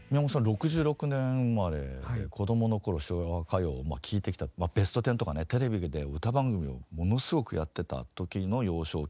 ６６年生まれで子どもの頃昭和歌謡を聴いてきた「ベストテン」とかねテレビで歌番組をものすごくやってた時の幼少期ですから。